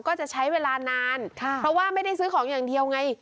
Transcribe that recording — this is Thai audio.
ก็จะใช้เวลานานเพราะว่าไม่ได้ซื้อของอย่างเดียวไง